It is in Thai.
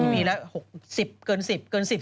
ปีแล้ว๑๐เกิน๑๐เกิน๑๐๑๐